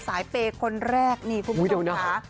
สายเปย์คนแรกคุณผู้ชมค่ะ